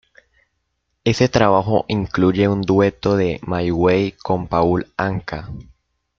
Ese trabajo incluye un dueto de "My Way" con Paul Anka.